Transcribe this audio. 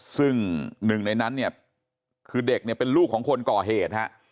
ซึ่งหนึ่งในนั้นเนี่ยคือเด็กเนี่ยเป็นลูกของคนก่อเหตุฮะ